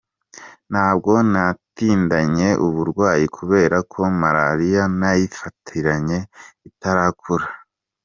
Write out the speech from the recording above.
Ntabwo natindanye uburwayi kubera ko marariya nayifatiranye itarakura.